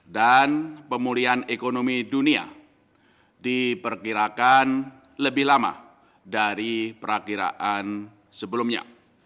dan pemulihan ekonomi dunia diperkirakan lebih lama dari perakiraan sebelumnya